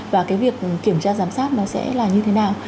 và cái việc kiểm tra giám sát nó sẽ là như thế nào